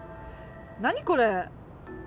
何これ？